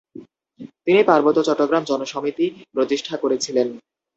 তিনি পার্বত্য চট্টগ্রাম জনসমিতি প্রতিষ্ঠা করেছিলেন।